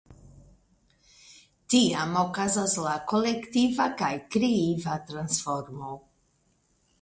Tiam okazas la kolektiva kaj kreiva transformo.